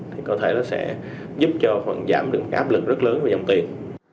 thì có thể nó sẽ giúp cho hoặc giảm được áp lực rất lớn về dòng tiền